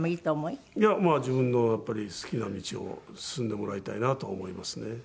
いやまあ自分のやっぱり好きな道を進んでもらいたいなとは思いますね。